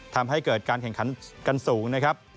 ทำให้เกิดการแข่งขันกันสูงนะครับ